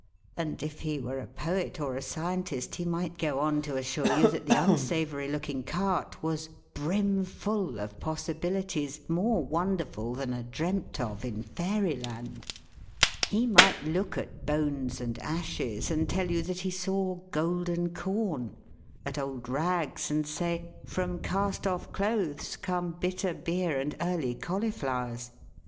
And if he were a poet or a scientist, he might go on to assure you that the unsavoury looking cart was "brimful of possibilities, more wonderful than are dreamt of in fairy land." B 2 THE WORLD'S LUMBER ROOM. He might look at "bones and ashes" and tell you that he saw " golden corn ;" at old rags, and say, " from cast off clothes come bitter beer and early cauliflowers."